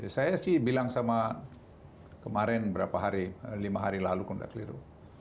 saya sih bilang sama kemarin berapa hari lima hari lalu kontak keliru